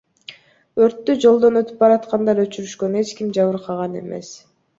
Өрттү жолдон өтүп бараткандар өчүрүшкөн, эч ким жабыркаган эмес.